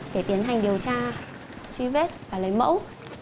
để tiến hành điều tra truy vết và lấy mẫu